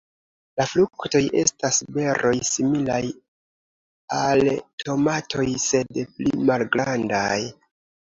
La fruktoj estas beroj similaj al tomatoj, sed pli malgrandaj.